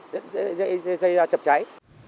dây ra chập cháy